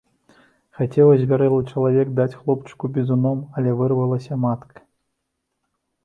Хацеў азвярэлы чалавек даць хлопчыку бізуном, але вырвалася матка.